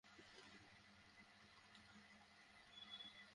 ধ্বংস নয় আমরা শান্তির পয়গাম নিয়ে এসেছি।